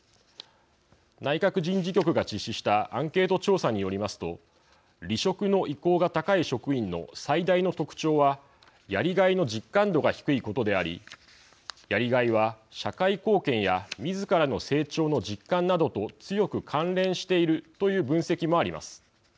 内閣人事局が実施したアンケート調査によりますと離職の意向が高い職員の最大の特徴は、やりがいの実感度が低いことでありやりがいは、社会貢献やみずからの成長の実感などと強く関連しているという分析もあります。